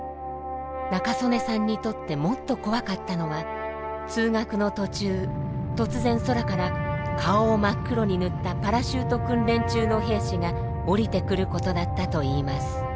仲宗根さんにとってもっと怖かったのは通学の途中突然空から顔を真っ黒に塗ったパラシュート訓練中の兵士が降りてくることだったといいます。